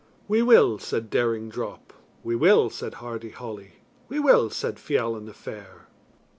"We will," said Daring Drop. "We will," said Hardy Holly. "We will," said Fiallan the Fair.